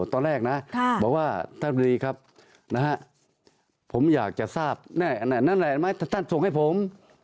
ตอนแรกนะครับบอกว่าท่านพิธีครับผมอยากจะทราบนั่นแหละท่านส่งให้ผม